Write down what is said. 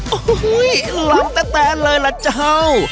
โอ้โห้ยรักแต่แต่เลยล่ะเจ้า